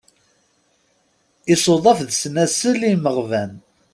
Isuḍaf d snasel i yimeɣban.